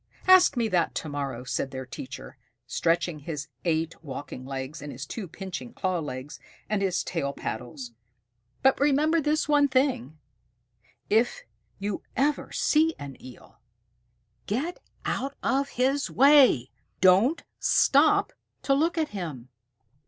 "Ask me that to morrow," said their teacher, stretching his eight walking legs and his two pinching claw legs and his tail paddles, "but remember this one thing: if you ever see an Eel, get out of his way. Don't stop to look at him."